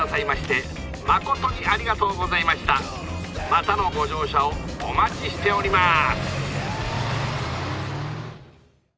またのご乗車をお待ちしております！